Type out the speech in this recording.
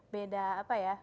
beda apa ya